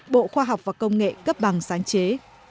bộ khoa học và công nghệ cấp bằng sáng chế